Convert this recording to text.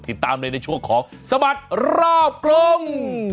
ติดตามเลยในช่วงของสบัดรอบกรุง